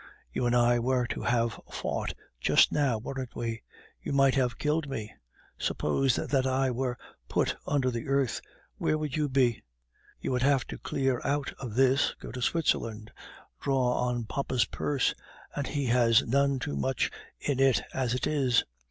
You and I were to have fought just now, weren't we? You might have killed me. Suppose that I were put under the earth, where would you be? You would have to clear out of this, go to Switzerland, draw on papa's purse and he has none too much in it as it is.